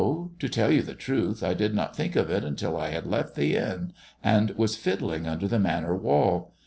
To tell you the truth, I did not think of it until I had left the inn, and was fiddling under the Manor wall.